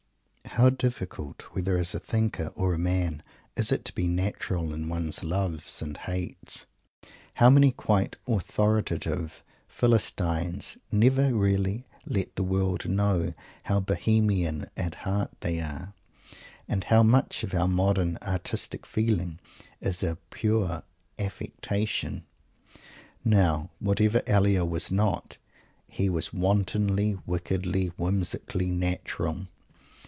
How difficult, whether as a thinker or a man, is it to be natural in one's loves and hates! How many quite authoritative Philistines never really let the world know how Bohemian at heart they are! And how much of our modern "artistic feeling" is a pure affectation! Now, whatever Elia was not, he was wantonly, wickedly, whimsically natural.